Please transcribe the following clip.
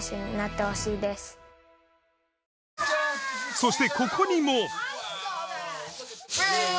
そして、ここにも。